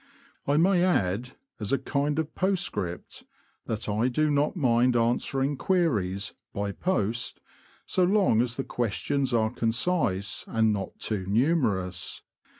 I may add, as a kind of postscript, that I do not mind answering queries (by post), so long as the questions are concise, and not too numerous.